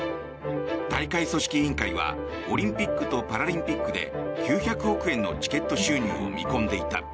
大会組織委員会はオリンピックとパラリンピックで９００億円のチケット収入を見込んでいた。